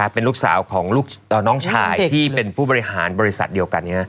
เป็นลูกสาวของน้องชายที่เป็นผู้บริหารบริษัทเดียวกัน